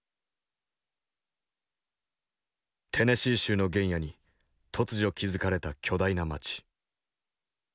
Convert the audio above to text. テネシー州の原野に突如築かれた巨大な町。